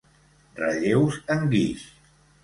Relleus en guix.